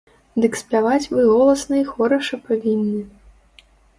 Дык спяваць вы голасна й хораша павінны.